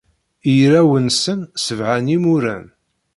I yirawen-nsen, sebɛa n yimuren.